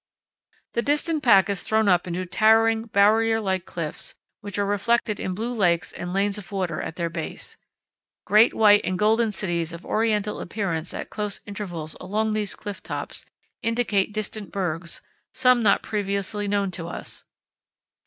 "The distant pack is thrown up into towering barrier like cliffs, which are reflected in blue lakes and lanes of water at their base. Great white and golden cities of Oriental appearance at close intervals along these clifftops indicate distant bergs, some not previously known to us.